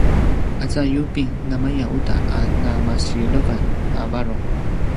aza yubing namaya uta a namasilevan a varung